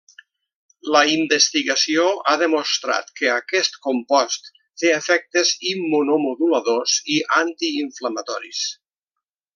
La investigació ha demostrat que aquest compost té efectes immunomoduladors i antiinflamatoris.